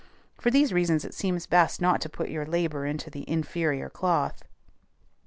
For these reasons it seems best not to put your labor into the inferior cloth.